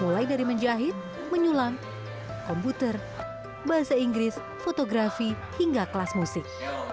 mulai dari menjahit menyulam komputer bahasa inggris fotografi hingga kelas musik